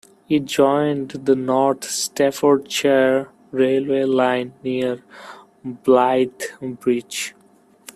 It joined the North Staffordshire Railway line near Blythe Bridge.